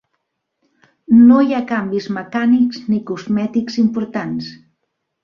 No hi ha canvis mecànics ni cosmètics importants.